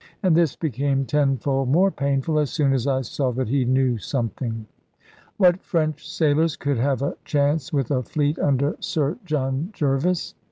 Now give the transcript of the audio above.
And this became tenfold more painful, as soon as I saw that he knew something. What French sailors could have a chance with a fleet under Sir John Jervis?